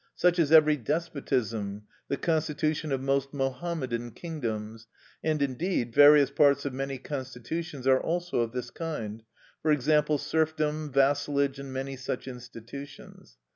Such is every despotism, the constitution of most Mohammedan kingdoms; and indeed various parts of many constitutions are also of this kind; for example, serfdom, vassalage, and many such institutions.